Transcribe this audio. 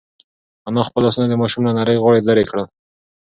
انا خپل لاسونه د ماشوم له نري غاړې لرې کړل.